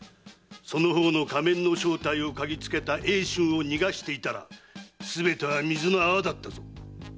その方の仮面の正体を嗅ぎつけた英春を逃がしていたらすべては水の泡だったぞ。